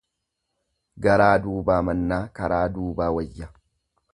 Garaa duubaa mannaa, karaa duuba wayya.